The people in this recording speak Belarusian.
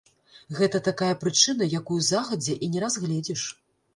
Гэта такая прычына, якую загадзя і не разгледзіш.